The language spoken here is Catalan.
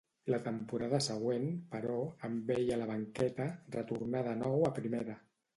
La temporada següent, però, amb ell a la banqueta, retornà de nou a primera.